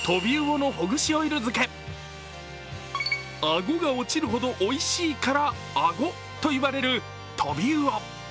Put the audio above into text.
あごが落ちるほどおいしいからあごと言われるトビウオ。